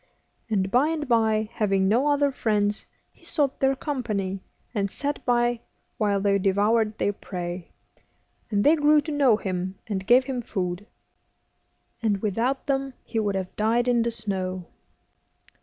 And by and by, having no other friends, he sought their company, and sat by while they devoured their prey, and they grew to know him, and gave him food. And without them he would have died in the snow.